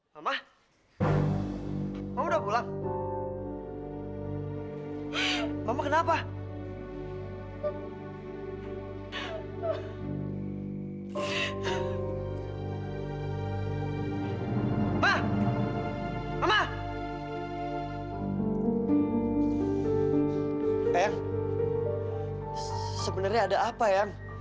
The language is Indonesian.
sampai jumpa di video selanjutnya